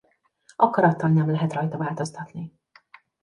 Akarattal nem lehet rajta változtatni.